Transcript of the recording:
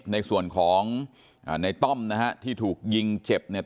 ในส่วนของในต้อมนะฮะที่ถูกยิงเจ็บเนี่ย